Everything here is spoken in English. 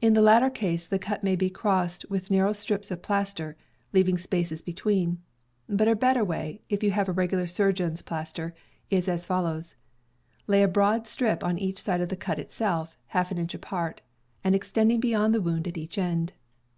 In the latter case the cut may be crossed with narrow strips of plaster, leaving spaces between; but a better way, if you have regular surgeon's plaster, is as follows: Lay a broad strip on each side of the cut, half an inch apart, and extending beyond the wound at each end.